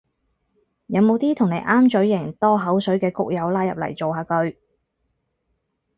有冇啲同你啱嘴型多口水嘅谷友拉入嚟造下句